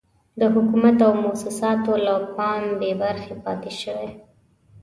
د حکومت او موسساتو له پام بې برخې پاتې شوي.